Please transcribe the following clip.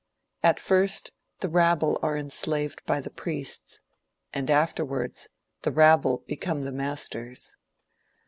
At first, the rabble are enslaved by the priests, and afterwards the rabble become the masters.